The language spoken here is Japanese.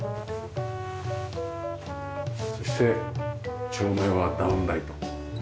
そして照明はダウンライト。